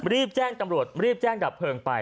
รีบแจ้งตำรวจรีบแจ้งดับเพลิงไป